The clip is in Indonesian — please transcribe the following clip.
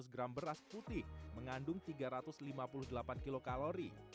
seratus gram beras putih mengandung tiga ratus lima puluh delapan kilokalori